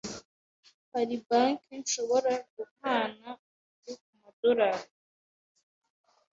Hari banki nshobora guhana yen kumadorari?